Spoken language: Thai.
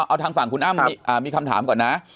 เอาทางฝั่งคุณอ้ำมีคำถามก่อนนะ